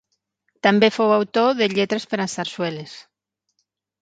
També fou autor de lletres per a sarsueles.